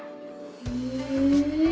へえ！